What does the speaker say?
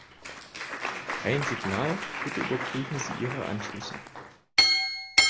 Kein Signal. Bitte überprüfen Sie Ihre Anschlüsse.